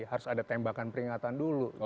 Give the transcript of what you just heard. harus ada tembakan peringatan dulu